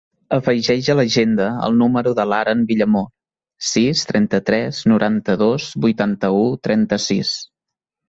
Afegeix a l'agenda el número de l'Aren Villamor: sis, trenta-tres, noranta-dos, vuitanta-u, trenta-sis.